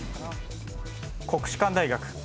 国士舘大学。